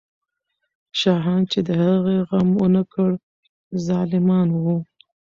شاهان چې د هغې غم ونه کړ، ظالمان وو.